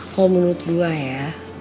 kalo menurut gue ya